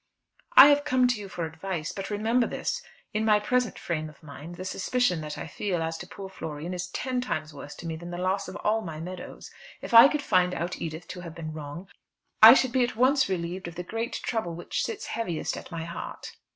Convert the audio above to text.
"I have come to you for advice. But remember this: in my present frame of mind, the suspicion that I feel as to poor Florian is ten times worse to me than the loss of all my meadows. If I could find out Edith to have been wrong, I should be at once relieved of the great trouble which sits heaviest at my heart."